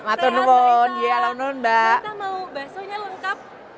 sehat selita mbak mbak mau bakso nya lengkap